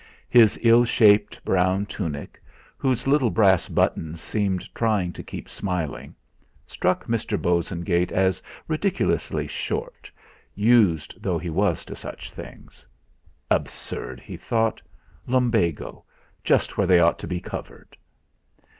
His ill shaped brown tunic, whose little brass buttons seemed trying to keep smiling, struck Mr. Bosengate as ridiculously short, used though he was to such things. 'Absurd,' he thought 'Lumbago! Just where they ought to be covered!'